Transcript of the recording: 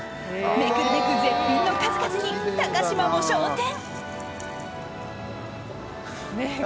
めくるめく絶品の数々に高嶋も昇天。